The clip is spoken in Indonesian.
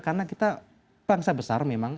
karena kita bangsa besar memang